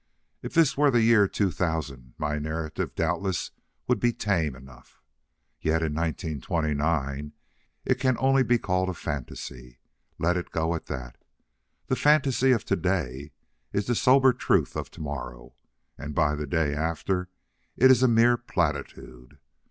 If this were the year 2000, my narrative doubtless would be tame enough. Yet in 1929 it can only be called a fantasy. Let it go at that. The fantasy of to day is the sober truth of to morrow. And by the day after, it is a mere platitude.